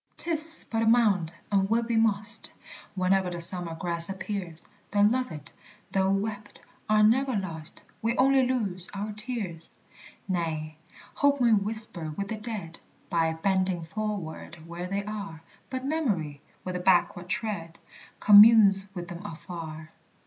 'Tis but a mound, and will be mossed Whene'er the summer grass appears; The loved, though wept, are never lost; We only lose our tears! Nay, Hope may whisper with the dead By bending forward where they are; But Memory, with a backward tread, Communes with them afar.